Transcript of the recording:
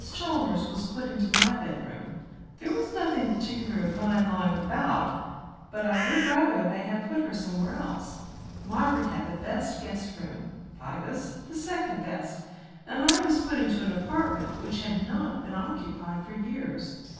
Chalmers was put into my bedroom. There was nothing particular of mine lying about, but I would rather they had put her somewhere else. Margaret had the best guest room, Pybus the second best, and I was put into an apartment which had not been occupied for years.